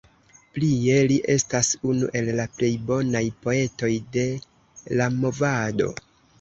Plie li estas unu el la plej bonaj poetoj de la Movado.